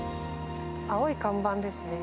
青い看板ですね。